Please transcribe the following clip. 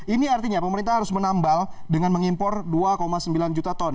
ini artinya pemerintah harus menambal dengan mengimpor dua sembilan juta ton